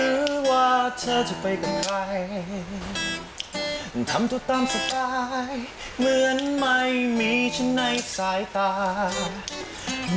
ปวดชีวิตเหมือนที่ฉันรักเธอได้ยินไหม